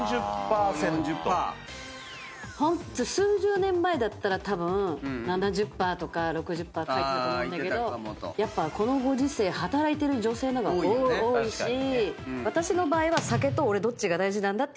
ホント数十年前だったらたぶん７０％とか６０％書いてたと思うんだけどやっぱこのご時世働いてる女性の方が多いし私の場合は。